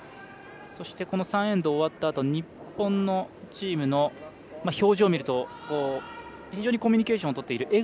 そして、この３エンド終わったあと、日本のチームの表情を見ると非常にコミュニケーションをとっている。